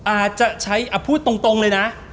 อาจจะใช้พูดตรงเลยนะ